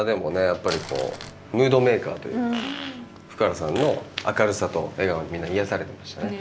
やっぱりムードメーカーというか福原さんの明るさと笑顔にみんな癒やされてましたね。